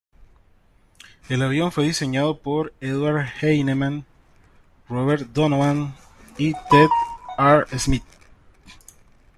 El avión fue diseñado por Edward Heinemann, Robert Donovan, y Ted R. Smith.